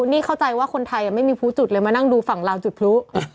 นี่เข้าใจว่าคนไทยไม่มีผู้จุดเลยมานั่งดูฝั่งลาวจุดพลุ